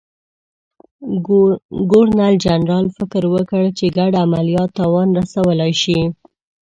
ګورنرجنرال فکر وکړ چې ګډ عملیات تاوان رسولای شي.